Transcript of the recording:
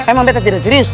emang betta tidak serius